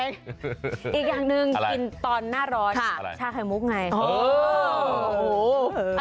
อีกอย่างหนึ่งกินตอนหน้าร้อนชาไข่มุกไง